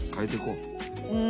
うん。